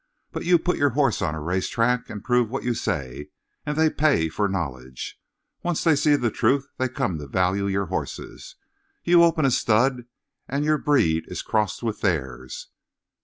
But you put your horse on a race track and prove what you say, and they pay for knowledge. Once they see the truth they come to value your horses. You open a stud and your breed is crossed with theirs.